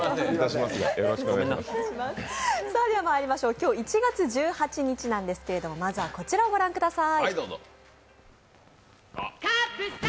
今日１月１８日ですけれども、まずはこちらをご覧ください。